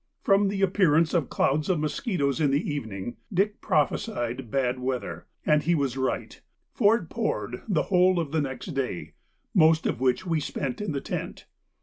From the appearance of clouds of mosquitoes in the evening Dick prophesied bad weather, and he was right, for it poured the whole of the next day, most of which we spent in the tent.